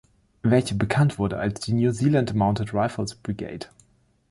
Welche bekannt wurde als die New Zealand Mounted Rifles Brigade.